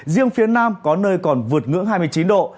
riêng phía nam có nơi còn vượt ngưỡng hai mươi chín độ